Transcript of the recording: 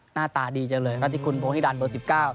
หน้าตาดีเจอเลยเพราะที่คุณโพงให้ดันเบอร์๑๙